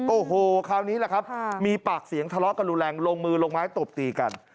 โอ้โหคราวนี้แหละครับมีปากเสียงทะเลาะกันรุนแรงลงมือลงไม้ตบตีกัน